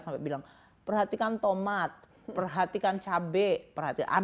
sampai bilang perhatikan tomat perhatikan cabai perhatian